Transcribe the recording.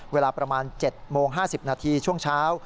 เวลาประมาณ๗โมง๕๐นาทีช่วงเช้า